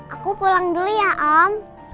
aku pulang dulu ya om